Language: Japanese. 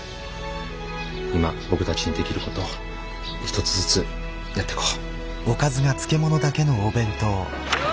今僕たちにできる事を一つずつやっていこう。